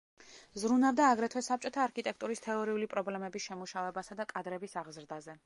ზრუნავდა აგრეთვე საბჭოთა არქიტექტურის თეორიული პრობლემების შემუშავებასა და კადრების აღზრდაზე.